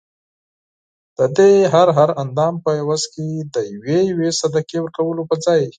ددې هر هر اندام په عوض کي د یوې یوې صدقې ورکولو په ځای